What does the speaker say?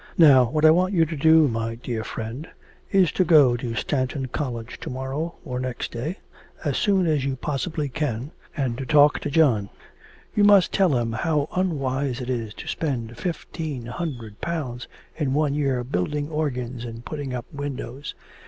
Now, what I want you to do, my dear friend, is to go to Stanton College to morrow, or next day, as soon as you possibly can, and to talk to John. You must tell him how unwise it is to spend fifteen hundred pounds in one year building organs and putting up windows.